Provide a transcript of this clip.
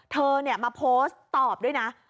เธอมาโพสต์ตอบด้วยนะ